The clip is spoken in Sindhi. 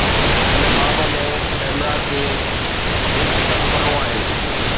هن باب ۾ ”پيمرا“ کي هڪ ڪم ڪرڻو آهي.